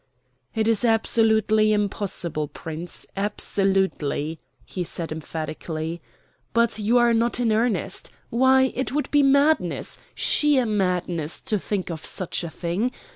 "It is absolutely impossible, Prince, absolutely," he said emphatically. "But you are not in earnest. Why, it would be madness, sheer madness to think of such a thing.